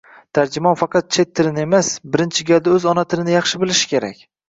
Tarjimon faqat chet tilini emas, birinchi galda o‘z ona tilini yaxshi bilishi kerak.